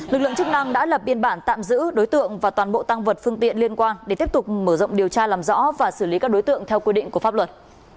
lực lượng chức năng đã lập biên bản tạm giữ đối tượng và toàn bộ tăng vật phương tiện liên quan để tiếp tục mở rộng điều tra làm rõ và xử lý các đối tượng theo quy định của pháp luật